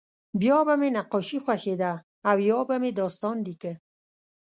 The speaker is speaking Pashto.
بیا به مې نقاشي خوښېده او یا به مې داستان لیکه